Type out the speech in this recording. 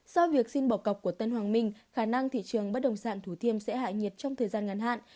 sau việc xin bỏ cọc của tân hoàng minh khả năng thị trường bất đồng sản thủ thiêm sẽ hạ nhiệt trong thời gian ngăn hạn